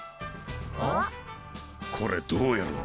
これどうやるんだ？